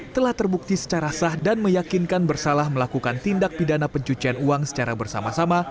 telah terbukti secara sah dan meyakinkan bersalah melakukan tindak pidana pencucian uang secara bersama sama